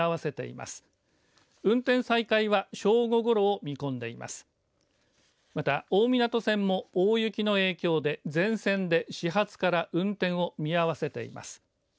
また、大湊線も大雪の影響で全線で始発から運転を見合わせています。